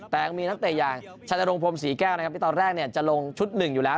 แต่ยังมีนักเตะอย่างชานรงพรมศรีแก้วนะครับที่ตอนแรกจะลงชุดหนึ่งอยู่แล้ว